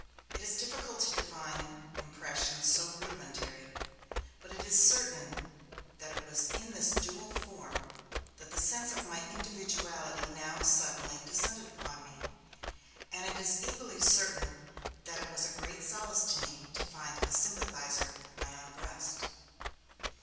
It is difficult to define impressions so rudimentary, but it is certain that it was in this dual form that the sense of my individuality now suddenly descended upon me, and it is equally certain that it was a great solace to me to find a sympathizer in my own breast.